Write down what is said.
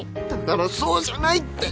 だからそうじゃないって！